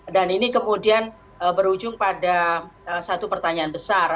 dan ini kemudian berujung pada satu pertanyaan besar